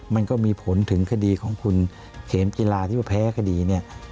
มันก็มีผลถึงคดีของคุณเขมกีฬาที่ว่าแพ้คดีเนี่ย